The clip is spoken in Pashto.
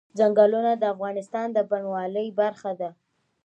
ځنګلونه د افغانستان د بڼوالۍ برخه ده.